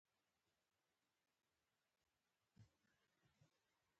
زه یوه لوستې پیغله يمه.